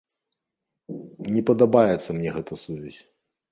Не падабаецца мне гэта сувязь.